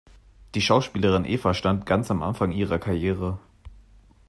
Die Schauspielerin Eva stand ganz am Anfang ihrer Karriere.